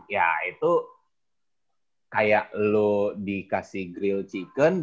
ya itu kayak lo dikasih grill chicken